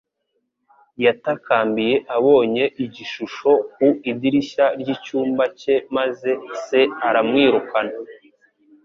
Yatakambiye abonye igishusho ku idirishya ry'icyumba cye maze se aramwirukana.